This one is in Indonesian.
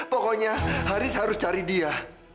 pokoknya haris harus cari dia